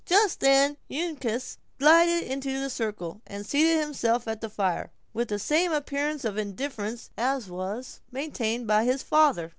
Just then Uncas glided into the circle, and seated himself at the fire, with the same appearance of indifference as was maintained by his father.